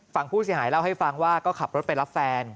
ฝั่งผู้เสียหายเล่าให้ฟังว่าก็ขับรถไปรับแฟน